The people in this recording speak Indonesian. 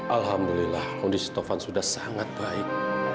alhamdulillah kondisi tovan sudah sangat baik